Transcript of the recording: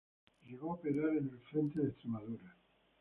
Llegó a operar en el frente de Extremadura.